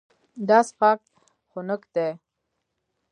دا څښاک خنک دی.